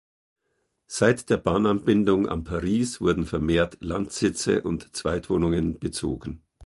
Seit der Bahnanbindung an Paris wurden vermehrt Landsitze und Zweitwohnungen bezogen.